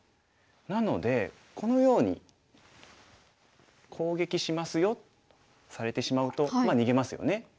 なのでこのように「攻撃しますよ」されてしまうとまあ逃げますよね。